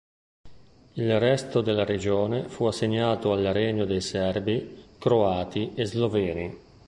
Il resto della regione fu assegnato al Regno dei Serbi, Croati e Sloveni.